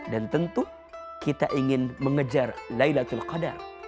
tentu kita ingin mengejar laylatul qadar